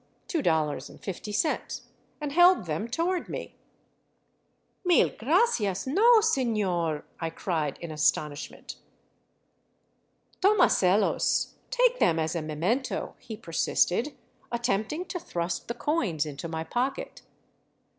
50), and held them toward me. " Mil gracias, no, seiior," I cried in astonishment. " Tomaselos — take them as a memento," he persisted, attempting to thrust the coins into my pocket.